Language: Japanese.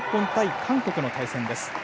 韓国の対戦です。